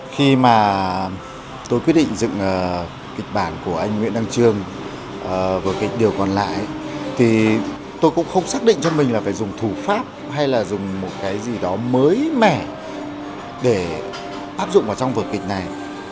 khi mà tôi quyết định dựng kịch bản của anh nguyễn đăng trương vở kịch điều còn lại thì tôi cũng không xác định cho mình là phải dùng thủ pháp hay là dùng một cái gì đó mới mẻ để áp dụng vào trong vở kịch này